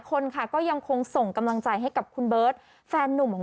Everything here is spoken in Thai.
คนค่ะก็ยังคงส่งกำลังใจให้กับคุณเบิร์ตแฟนหนุ่มของ